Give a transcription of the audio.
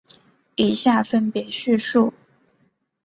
以下分别叙述。